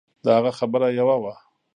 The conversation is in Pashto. د هغه خبره يوه وه.